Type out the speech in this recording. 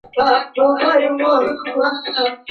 ولي آنلاین زده کړه د حضوري ټولګیو څخه ډیر انعطاف لري؟